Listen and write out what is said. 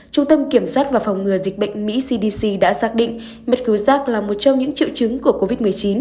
trung tâm kiểm soát và phòng ngừa dịch bệnh mỹ cdc đã xác định mất khứ giác là một trong những triệu chứng của covid một mươi chín